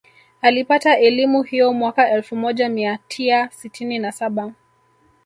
Alipata elimu hiyo mwaka elfu moja mia tiaa sitini na saba